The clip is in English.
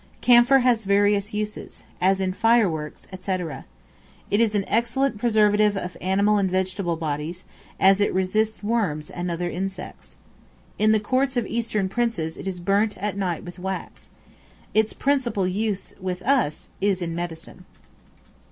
Camphor has various uses as in fire works, &c. it is an excellent preservative of animal and vegetable bodies, as it resists worms and other insects. In the courts of Eastern princes it is burnt at night with wax. Its principal use with us is in medicine.